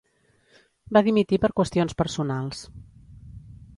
Va dimitir per qüestions personals.